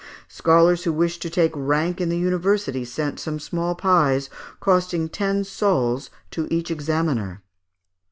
Scholars who wished to take rank in the University sent some small pies, costing ten sols, to each examiner.